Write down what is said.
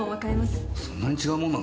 そんなに違うもんなんすか？